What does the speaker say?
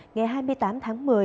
ngày hai mươi tám tháng một mươi